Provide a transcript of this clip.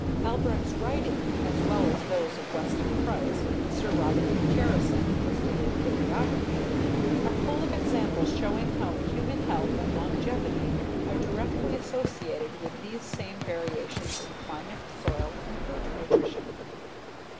Albrecht's writings, as well as those of Weston Price, and Sir Robert McCarrison listed in the bibliography, are full of examples showing how human health and longevity are directly associated with these same variations in climate, soil, and food nutrition.